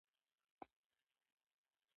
او بل ته د غلامۍ تر حده محتاج نه وي.